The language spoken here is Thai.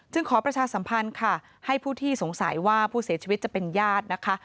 ขอประชาสัมพันธ์ค่ะให้ผู้ที่สงสัยว่าผู้เสียชีวิตจะเป็นญาตินะคะ